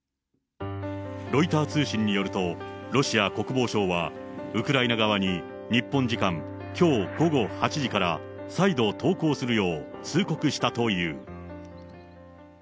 ロイター通信によると、ロシア国防省は、ウクライナ側に日本時間きょう午後８時から、再度投降するよう、通告したという。